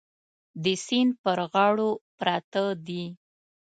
د سیند پر غاړو پراته دي.